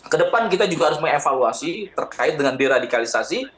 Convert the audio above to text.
kedepan kita juga harus mengevaluasi terkait dengan deradikalisasi